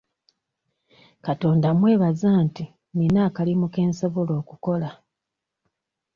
Katonda mmwebaza nti nnina akalimu ke nsobola okukola.